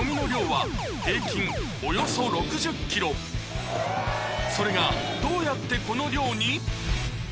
およそそれがどうやってこの量に？